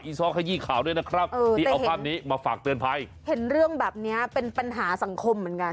ซอกขยี้ข่าวด้วยนะครับที่เอาภาพนี้มาฝากเตือนภัยเห็นเรื่องแบบเนี้ยเป็นปัญหาสังคมเหมือนกัน